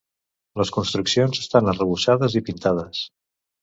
Les construccions estan arrebossades i pintades.